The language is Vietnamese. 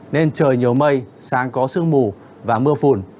nên trời nhiều mây sáng có sương mù và mưa phùn